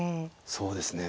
そうですね。